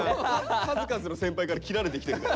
数々の先輩から斬られてきてるから。